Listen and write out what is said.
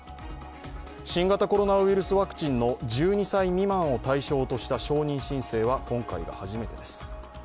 新型コロナウイルスワクチンの１２歳未満を対象にした承認申請は今回が初めてです。